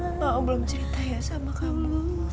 mama belum cerita ya sama kamu